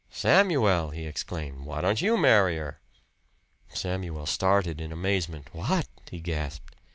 "Samuel!" he exclaimed "Why don't you marry her?" Samuel started in amazement. "What!" he gasped.